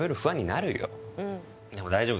でも大丈夫。